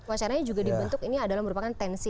acaranya juga dibentuk ini adalah merupakan